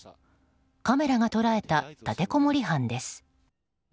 カメラが捉えた立てこもり犯です。